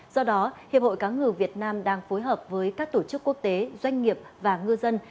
do đó hiệp hội cá ngừ việt nam đang phối hợp với các tổ chức quốc tế doanh nghiệp và ngư dân